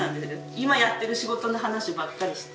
今やってる仕事の話ばっかりして。